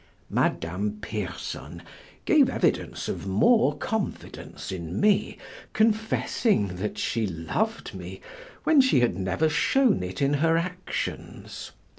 Madame Pierson gave evidence of more confidence in me, confessing that she loved me when she had never shown it in her actions.